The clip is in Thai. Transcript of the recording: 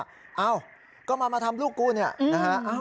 กัหมกิมาทำลูกกูหนะ